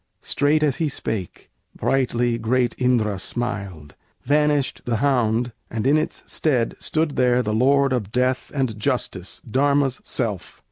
Straight as he spake, brightly great Indra smiled; Vanished the hound, and in its stead stood there The Lord of Death and Justice, Dharma's self!